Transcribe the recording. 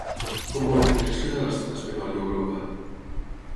Com vol que reaccioni l'estat espanyol i Europa?